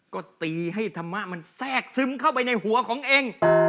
ก็ตีให้ธรรมะมันแทรกซึมเข้าไปในหัวของเอง